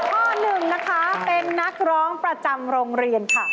ข้อหนึ่งนะคะเป็นนักร้องประจำโรงเรียนค่ะ